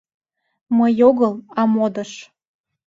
— Мый огыл, а модыш.